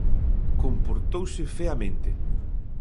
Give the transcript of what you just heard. Comportouse feamente.